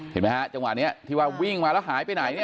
เห็นมั้ยฮะจังหวานนี้ที่ว่าวิ่งมาแล้วหายไปไหน